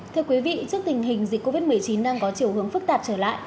thưa quý vị trước tình hình dịch covid một mươi chín đang có chiều hướng phức tạp trở lại